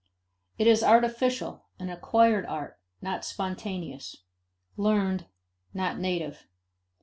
It is artificial (an acquired art), not spontaneous; learned, not native.